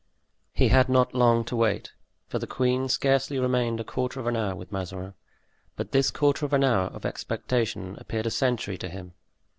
He had not long to wait, for the queen scarcely remained a quarter of an hour with Mazarin, but this quarter of an hour of expectation appeared a century to him.